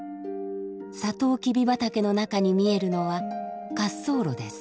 さとうきび畑の中に見えるのは滑走路です。